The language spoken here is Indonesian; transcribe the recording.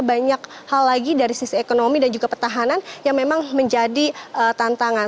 dan juga banyak hal lagi dari sisi ekonomi dan juga pertahanan yang memang menjadi tantangan